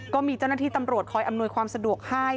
ก็มีเจ้าหน้าที่ตำรวจคอยอำนวยความสะดวกให้